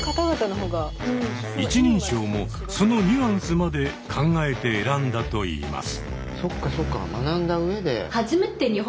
一人称もそのニュアンスまで考えて選んだといいます。